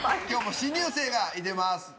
今日も新入生がいてます！